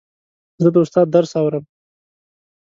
زه د استاد درس اورم.